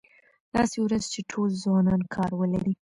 داسې ورځ چې ټول ځوانان کار ولري.